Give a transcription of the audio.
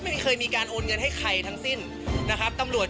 ไม่เคยมีการโอนเงินให้ใครทั้งสิ้นนะครับตำรวจ